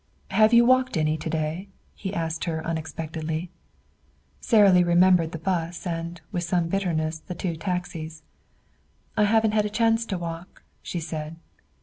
"Have you walked any to day?" he asked her unexpectedly. Sara Lee remembered the bus, and, with some bitterness, the two taxis. "I haven't had a chance to walk," she said.